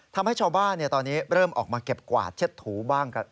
ทำให้ชาวบ้านตอนนี้เริ่มออกมาเก็บกวาดเช็ดถูบ้าง